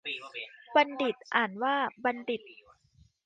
บัณฑิต อ่านว่าบันดิด